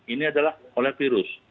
ini adalah oleh virus